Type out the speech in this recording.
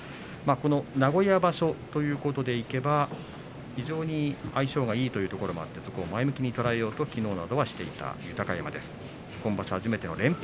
名古屋場所ということでいけば非常に相性がいいということもあって前向きに捉えようとしていた豊山です。